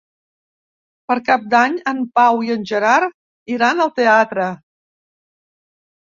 Per Cap d'Any en Pau i en Gerard iran al teatre.